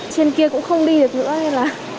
trên kia cũng không đi được nữa